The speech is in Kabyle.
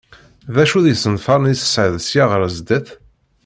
D acu d isenfaren i tesɛiḍ sya ɣer sdat?